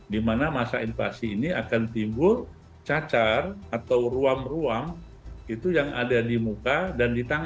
di mana masa invasi ini akan timbul cacar atau ruam ruam itu yang ada di muka dan di tangan